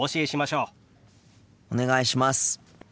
お願いします。